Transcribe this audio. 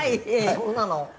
そうなの？